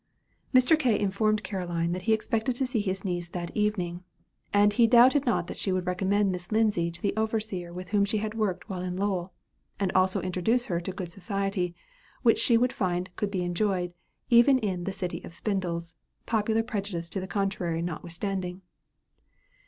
Mr. K. informed Caroline that he expected to see his niece that evening; and he doubted not she would recommend Miss Lindsay to the overseer with whom she had worked while in Lowell; and also introduce her to good society, which she would find could be enjoyed, even in the "city of spindles," popular prejudice to the contrary notwithstanding.